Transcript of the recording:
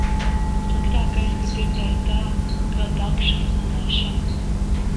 Sliktākais, ka dzirdēju tā kā dakšas sanēšanu.